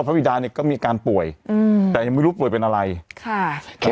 บิดาเนี่ยก็มีอาการป่วยอืมแต่ยังไม่รู้ป่วยเป็นอะไรค่ะ